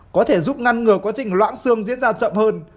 có thể giúp ngăn ngừa quá trình loãng xương diễn ra chậm hơn